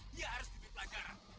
dia harus diberi pelajaran